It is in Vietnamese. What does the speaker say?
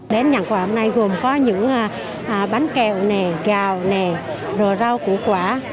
đến nhận quà hôm nay gồm có những bánh kẹo gạo rửa rau củ quả